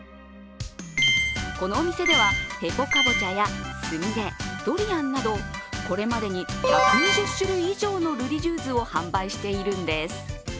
このお店では、ヘポカボチャやスミレ、ドリアンなど、これまでに１２０種類以上のルリジューズを販売しているんです。